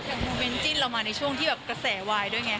โมเมนต์จิ้นเรามาในช่วงที่แบบกระแสวายด้วยไง